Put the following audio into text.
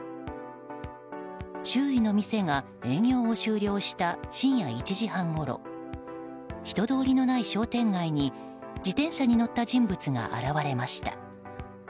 周囲の店が営業を終了した深夜１時半ごろ人通りのない商店街に自転車に乗った人物が現れました。